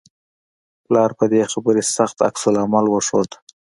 پلار په دې خبرې سخت عکس العمل وښود